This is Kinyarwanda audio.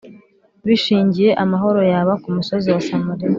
bishingiye amahoro yabo ku musozi wa Samariya,